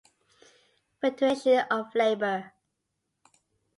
Federation of Labour.